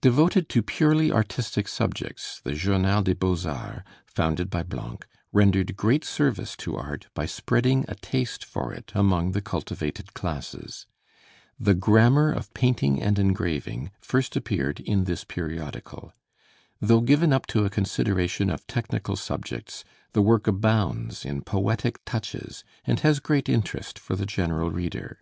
Devoted to purely artistic subjects, the Journal des Beaux Arts, founded by Blanc, rendered great service to art by spreading a taste for it among the cultivated classes. The 'Grammar of Painting and Engraving' first appeared in this periodical. Though given up to a consideration of technical subjects, the work abounds in poetic touches and has great interest for the general reader.